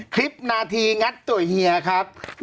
คลิปนาทีงัดตัวเฮียครับ